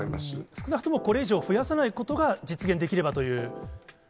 少なくともこれ以上増やさないことが実現できればという。